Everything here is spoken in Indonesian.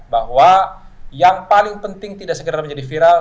bahwa yang paling penting tidak sekedar menjadi viral